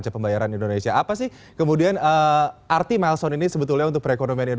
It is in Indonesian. pasar saham global juga